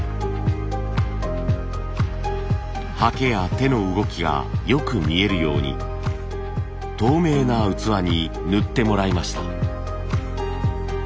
はけや手の動きがよく見えるように透明な器に塗ってもらいました。